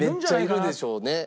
めっちゃいるでしょうね。